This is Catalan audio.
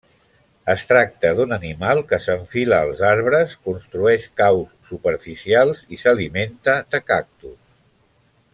Es tracta d'un animal que s'enfila als arbres, construeix caus superficials i s'alimenta de cactus.